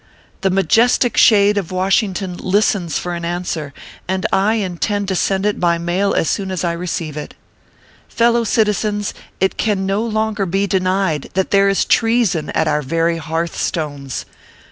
The majestic shade of Washington listens for an answer, and I intend to send it by mail as soon as I receive it. Fellow citizens, it can no longer be denied that there is treason at our very hearthstones.